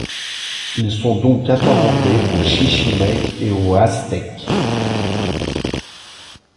Ils sont donc apparentés aux Chichimèques et aux Aztèques.